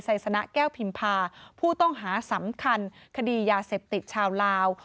สนะแก้วพิมพาผู้ต้องหาสำคัญคดียาเสพติดชาวลาว